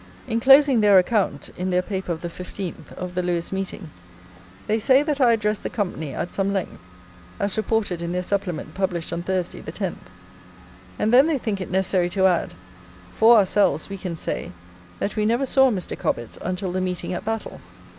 In closing their account (in their paper of the 15th) of the Lewes Meeting, they say that I addressed the company at some length, as reported in their Supplement published on Thursday the 10th. And then they think it necessary to add: "For OURSELVES, we can say, that we never saw Mr. Cobbett until the meeting at Battle."